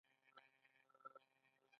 د دې هوا زموږ ساه ده؟